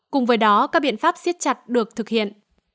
cùng với đó các biện pháp siết chặt được thực hiện